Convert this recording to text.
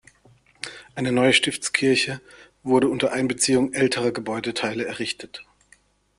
Eine neue Stiftskirche wurde unter Einbeziehung älterer Gebäudeteile errichtet.